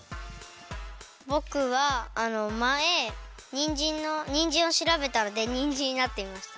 ぼくはあのまえにんじんのにんじんをしらべたのでにんじんになってみました。